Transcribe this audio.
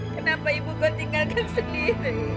kenapa ibu kau tinggalkan sendiri